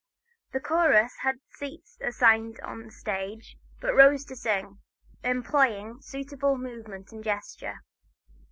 The chorus had seats assigned on the stage, but rose to sing, employing suitable movements and gestures.